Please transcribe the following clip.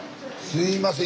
すいません。